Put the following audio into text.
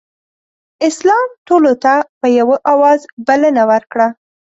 اسلام ټولو ته په یوه اواز بلنه ورکړه.